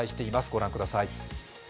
ご覧ください。